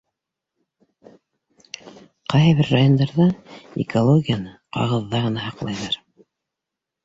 Ҡайһы бер райондарҙа экологияны ҡағыҙҙа ғына һаҡлайҙар.